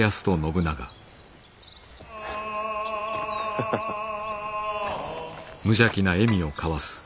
ハハハハ。